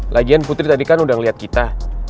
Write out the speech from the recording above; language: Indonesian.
lagian putri tadi kan udah ngeliat kita